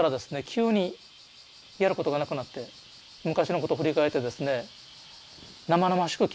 急にやることがなくなって昔のこと振り返ってですね生々しく